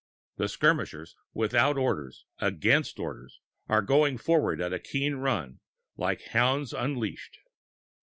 The skirmishers, without orders, against orders, are going forward at a keen run, like hounds unleashed.